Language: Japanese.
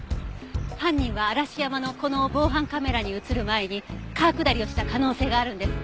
犯人は嵐山のこの防犯カメラに映る前に川下りをした可能性があるんです。